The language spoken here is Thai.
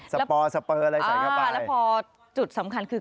สเปอร์สเปอร์อะไรใส่ไป